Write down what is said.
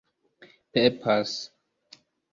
pepas